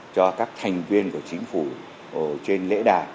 cho các thành viên của chính phủ trên lễ đài